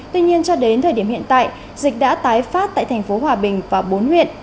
tuy nhiên cho đến thời điểm hiện tại dịch đã tái phát tại tp hòa bình và bốn huyện